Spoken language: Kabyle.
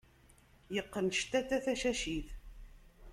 Iqqen ctata tacacit.